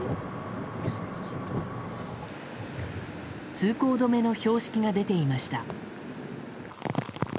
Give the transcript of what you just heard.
通行止めの標識が出ていました。